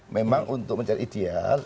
memang untuk mencari ideal